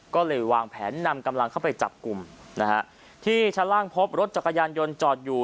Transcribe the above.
ก็เลยวางแผนนำกำลังเข้าไปจับกลุ่มนะฮะที่ชั้นล่างพบรถจักรยานยนต์จอดอยู่